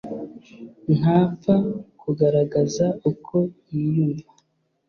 ntapfa kugaragaza uko yiyumva